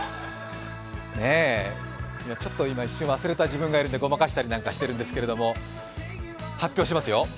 ねえ、今一瞬忘れた自分がいるのでごまかしたりなんかしているんですけど、発表しますよ。